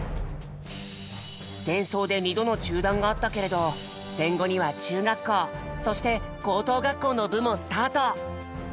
戦争で２度の中断があったけれど戦後には中学校そして高等学校の部もスタート。